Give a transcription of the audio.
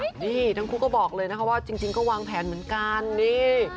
นี่ทั้งคู่ก็บอกเลยนะคะว่าจริงก็วางแผนเหมือนกันนี่